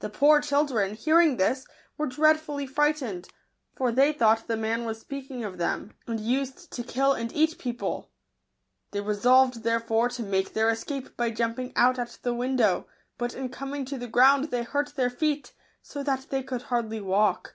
The poor children, hearing this, were dreadfully frightened ; for they thought the man was speaking of them, ir Digitized by Google W.l r. tA and used to kill and eat people. They re solved, therefore, to make their escape by jumping out at the window ; but in coming to the ground they hurt their feet, so that they could hardly walk.